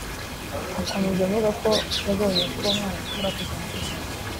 Akomeza avuga ko yabonye ko uwo mwana ashobora kuzahapfira